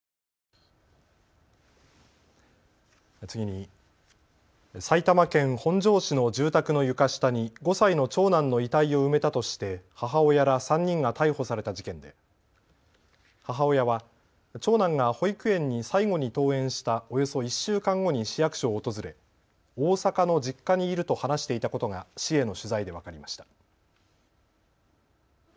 次に、埼玉県本庄市の住宅の床下に５歳の長男の遺体を埋めたとして母親ら３人が逮捕された事件で母親は長男が保育園に最後に登園したおよそ１週間後に市役所を訪れ大阪の実家にいると話していたことが市への取材で分かりました。